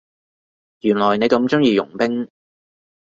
原來你咁鍾意傭兵